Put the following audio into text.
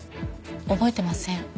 覚えてません。